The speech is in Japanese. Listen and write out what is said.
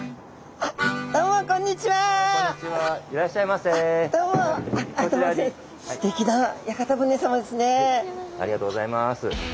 ありがとうございます。